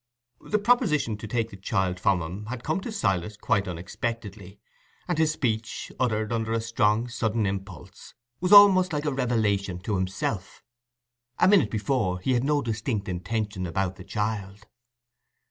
The proposition to take the child from him had come to Silas quite unexpectedly, and his speech, uttered under a strong sudden impulse, was almost like a revelation to himself: a minute before, he had no distinct intention about the child.